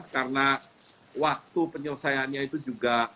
karena waktu penyelesaiannya itu juga